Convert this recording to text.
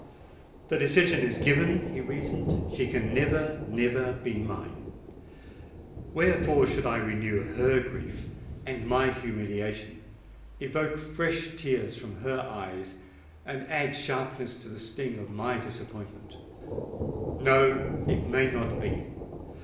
"The decision is given," he reasoned: "she can never—never be mine! Wherefore should I renew her grief and my humiliation—evoke fresh tears from her eyes, and add sharpness to the sting of my disappointment? No: it may not be!